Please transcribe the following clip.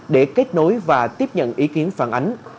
để kết nối và tiếp nhận ý kiến phản ánh